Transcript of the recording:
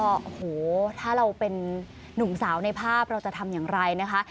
โอ้โหถ้าเราเป็นนุ่มสาวในภาพเราจะทำอย่างไรนะคะ